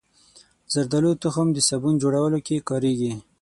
زردالو تخم د صابون جوړولو کې کارېږي.